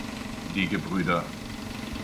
Die Gebr.